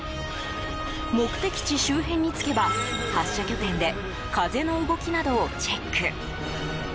目的地周辺に着けば、発射拠点で風の動きなどをチェック。